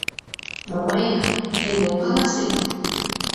— Мамаев, тый мом каласет?